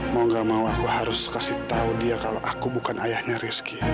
mau gak mau aku harus kasih tahu dia kalau aku bukan ayahnya rizky